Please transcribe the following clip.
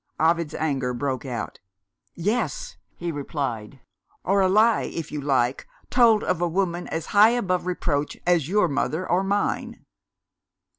Ovid's anger broke out. "Yes!" he replied. "Or a lie, if you like, told of a woman as high above reproach as your mother or mine!"